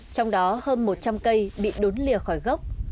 trong đó hơn một trăm linh cây bị đốn lìa khỏi gốc